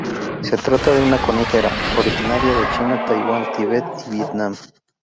Se trata de una conífera originaria de China, Taiwán, Tibet y Vietnam.